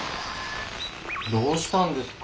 どうしたんですか？